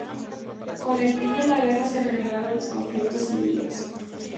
Con el fin de la guerra se reanudaron los conflictos civiles.